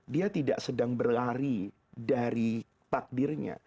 dia tidak sedang berlari dari takdirnya